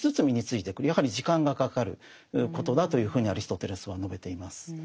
やはり時間がかかることだというふうにアリストテレスは述べています。